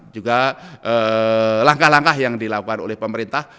juga langkah langkah yang dilakukan oleh pemerintah